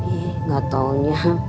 eh gak taunya